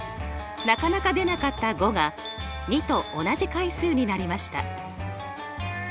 なかなか出なかった５が２と同じ回数になりました。